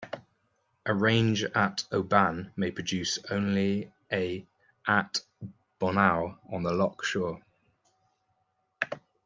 A range at Oban may produce only a at Bonawe on the loch shore.